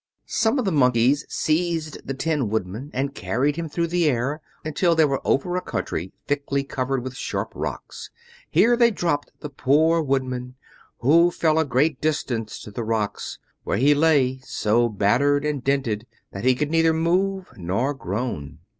Some of the Monkeys seized the Tin Woodman and carried him through the air until they were over a country thickly covered with sharp rocks. Here they dropped the poor Woodman, who fell a great distance to the rocks, where he lay so battered and dented that he could neither move nor groan.